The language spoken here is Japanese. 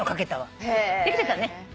できてたね。